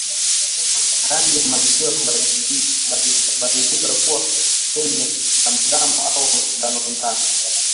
Rangi ya maziwa hubadilikabadilika kuwa yenye damudamu au njanonjano